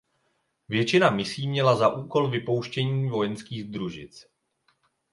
Většina misí měla za úkol vypouštění vojenských družic.